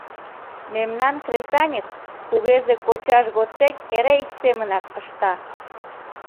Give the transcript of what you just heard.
Мемнан кресаньык кугезе кочаж годсек эре ик семынак ышта.